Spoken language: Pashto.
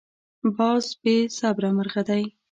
باز بې صبره مرغه دی